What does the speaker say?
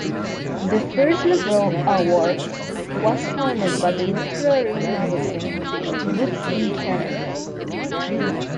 The First Novel Award was founded by the literary magazine "Books in Canada".